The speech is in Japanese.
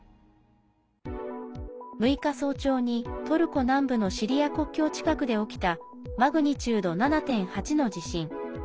６日早朝にトルコ南部のシリア国境近くで起きたマグニチュード７．８の地震。